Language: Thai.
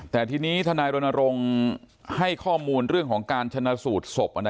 แต่ทีนี้ทนายรณรงค์ให้ข้อมูลเรื่องของการชนะสูตรศพ